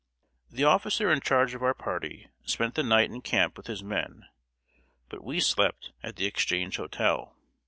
The officer in charge of our party spent the night in camp with his men, but we slept at the Exchange Hotel.